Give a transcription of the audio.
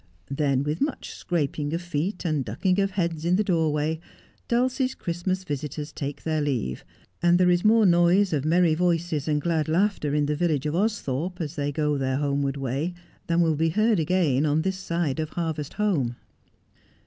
Then, with much scraping of feet and ducking of heads in the doorway, Dulcie's Christmas visitors take their leave, and there is more noise of merry voices and glad laughter in the village of Austhorpe as they go their homeward way than will be heard again on this side of harvest home.